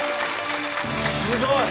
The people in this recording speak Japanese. すごい！